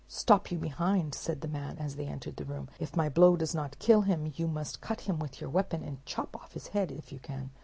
"Stop you behind," said the man, as they entered the room; "if my blow does not kill him, you must give him a cut with your weapon, and chop off his head if you can."